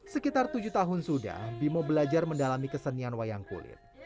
sekitar tujuh tahun sudah bimo belajar mendalami kesenian wayang kulit